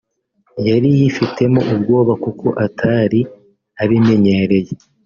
yari yifitemo ubwoba kuko atari abimenyereye